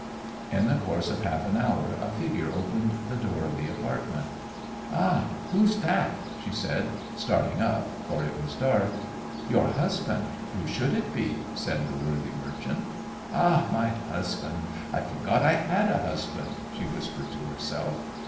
In the course of half an hour a figure opened the door of the apartment. 'Ah—who's that?' she said, starting up, for it was dark. 'Your husband—who should it be?' said the worthy merchant. 'Ah—my husband!—I forgot I had a husband!' she whispered to herself.